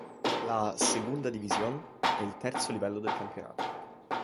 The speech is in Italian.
La "Segunda División" è il terzo livello del campionato.